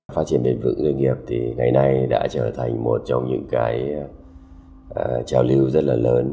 phát triển bền vững doanh nghiệp thì ngày nay đã trở thành một trong những cái trào lưu rất là lớn